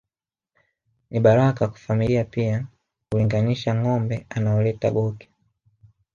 Ni baraka kwa familia pia hulinganisha ngombe anaoleta Bhoke